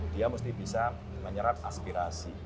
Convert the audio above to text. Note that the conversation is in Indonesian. dia mesti bisa menyerap aspirasi